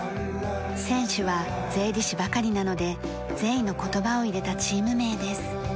選手は税理士ばかりなので「税」の言葉を入れたチーム名です。